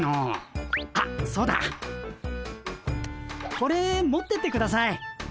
これ持ってってください。